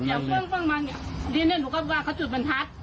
นี่เนี่ยเราก็ว่ากระสุนมันทัด